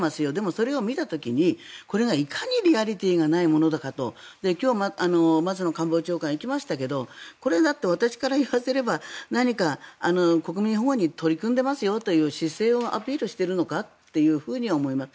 それを見た時にこれがいかにリアリティーがないものかと今日、松野官房長官行きましたけどこれだって私から言わせれば何か国民保護に取り組んでますよという姿勢をアピールしているのかと思います。